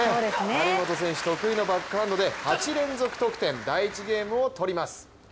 張本選手得意のバックハンドで８連続得点、第１ゲームを取ります。